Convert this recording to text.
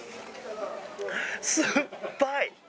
酸っぱい！